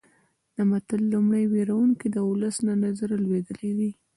د متل لومړی ویونکی د ولس له نظره لویدلی وي